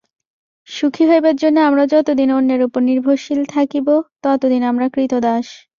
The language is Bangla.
সুখী হইবার জন্য আমরা যতদিন অন্যের উপর নির্ভরশীল থাকিবে, ততদিন আমরা ক্রীতদাস।